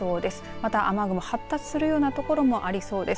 また、雨雲発達するような所もありそうです。